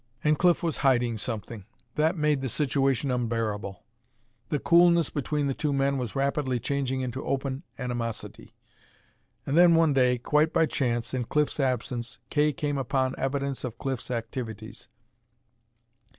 And Cliff was hiding something! That made the situation unbearable. The coolness between the two men was rapidly changing into open animosity. And then one day, quite by chance, in Cliff's absence, Kay came upon evidence of Cliff's activities.